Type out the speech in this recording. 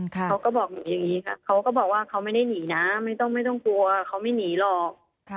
เขาก็บอกหนูอย่างนี้ค่ะเขาก็บอกว่าเขาไม่ได้หนีนะไม่ต้องกลัวเขาไม่หนีหรอก